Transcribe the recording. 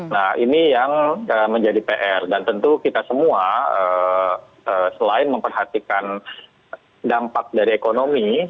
nah ini yang menjadi pr dan tentu kita semua selain memperhatikan dampak dari ekonomi